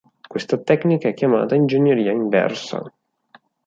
Questa tecnica è chiamata ingegneria inversa.